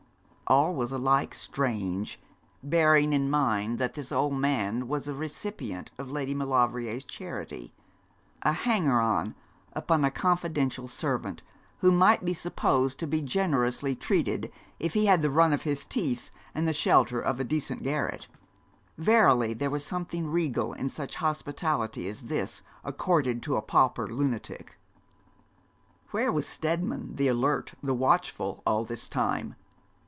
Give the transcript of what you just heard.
All was alike strange, bearing in mind that this old man was a recipient of Lady Maulevrier's charity, a hanger on upon a confidential servant, who might be supposed to be generously treated if he had the run of his teeth and the shelter of a decent garret. Verily, there was something regal in such hospitality as this, accorded to a pauper lunatic. Where was Steadman, the alert, the watchful, all this time?